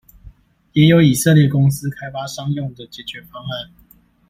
也有以色列公司開發商用的解決方案